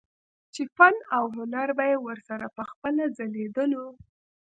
چې فن او هنر به يې ورسره پخپله ځليدلو